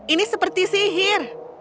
ini seperti sihir